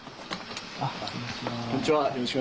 こんにちは。